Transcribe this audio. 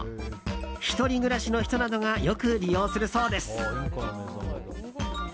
１人暮らしの人などがよく利用するそうです。